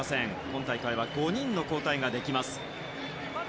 今大会は５人の交代ができます。